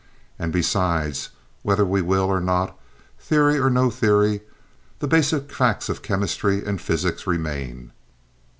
And, besides, whether we will or not, theory or no theory, the basic facts of chemistry and physics remain.